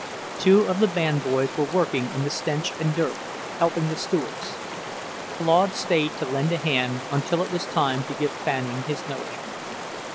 Two of the band boys were working in the stench and dirt, helping the stewards. Claude stayed to lend a hand until it was time to give Fanning his nourishment.